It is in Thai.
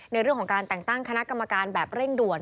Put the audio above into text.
ในเรื่องของการแต่งตั้งคณะกรรมการแบบเร่งด่วน